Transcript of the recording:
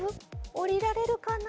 降りられるかな？